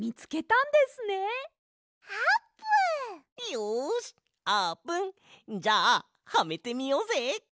よしあーぷんじゃあはめてみようぜ！